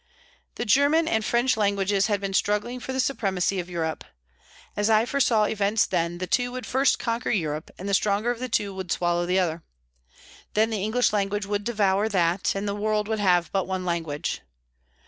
The German and the French languages had been struggling for the supremacy of Europe. As I foresaw events then, the two would first conquer Europe, and the stronger of the two would swallow the other. Then the English language would devour that, and the world would have but one language.